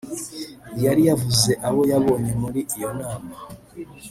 yari yavuze abo yabonye muri iyo nama